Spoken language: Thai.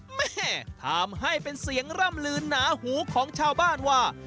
แม่ทำให้เป็นเสียงร่ำลืนหนาหูของชาวบ้านว่า